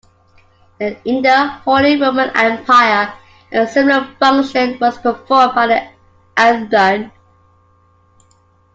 In the Holy Roman Empire a similar function was performed by the "Amtmann".